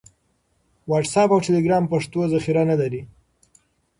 واټس اپ او ټیلیګرام پښتو ذخیره نه لري.